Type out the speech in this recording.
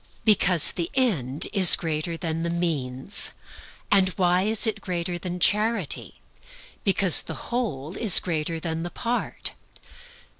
Because the end is greater than the means. And why is it greater than charity? Because the whole is greater than the part.